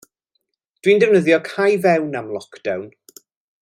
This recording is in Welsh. Dwi'n defnyddio cau fewn am lock down.